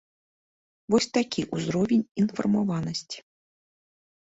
Вось такі ўзровень інфармаванасці!